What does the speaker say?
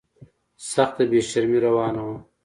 سخته بې شرمي روانه وه.